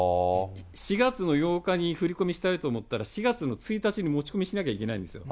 ４月の８日に振り込みしたいと思ったら、４月の１日に持ち込みしなきゃいけないんですよ。